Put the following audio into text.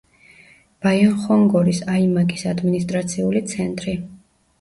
ბაიანხონგორის აიმაკის ადმინისტრაციული ცენტრი.